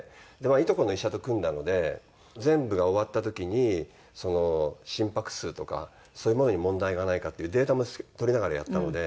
いとこの医者と組んだので全部が終わった時に心拍数とかそういうものに問題がないかっていうデータも取りながらやったので。